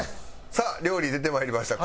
さあ料理出てまいりました。